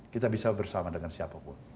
kita bisa bersama dengan siapapun